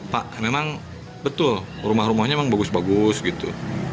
pak memang betul rumah rumahnya memang bagus bagus gitu